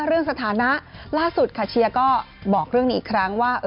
สถานะล่าสุดค่ะเชียร์ก็บอกเรื่องนี้อีกครั้งว่า